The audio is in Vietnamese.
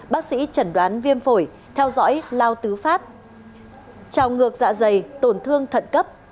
bác sĩ chẩn đoán viêm phổi theo dõi lao tứ phát trào ngược dạ dày tổn thương thận cấp